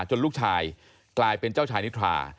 ลูกชายกลายเป็นเจ้าชายนิทรา